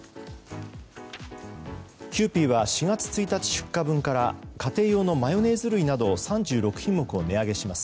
キユーピーは４月１日出荷分から家庭用のマヨネーズ類など３６品目を値上げします。